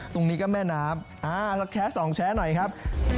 ตรงนี้ก็แม่น้ำอ่าสักแชร์สองแชร์หน่อยครับ